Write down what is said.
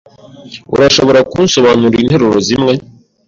Urashobora kunsobanurira interuro zimwe?